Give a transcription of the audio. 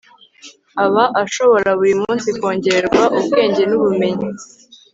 aba ashobora buri munsi kongererwa ubwenge n'ubumenyi